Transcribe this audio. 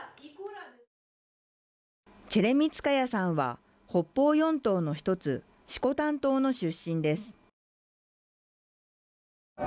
チェレミツカヤさんは北方四島の一つ色丹島の出身です。